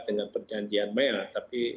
dengan perjanjian mea tapi